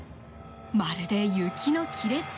まるで、雪の亀裂！